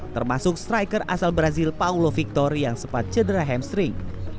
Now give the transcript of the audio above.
termasuk striker asal brazil paulo victor yang sempat cedera hamstring